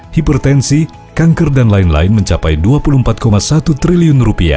hipertensi kanker dan lain lain mencapai rp dua puluh empat satu triliun